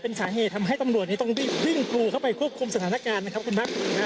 เป็นสาเหตุทำให้ตำรวจนี่ต้องยิ่งกลัวเข้าไปควบคุมสถานการณ์นะครับคุณพรรค